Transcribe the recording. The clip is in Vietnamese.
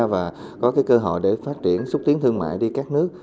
và có cái cơ hội để phát triển xúc tiến thương mại đi các nước